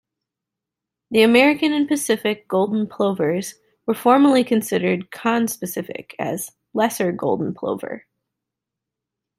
The American and Pacific golden plovers were formerly considered conspecific as "lesser golden plover".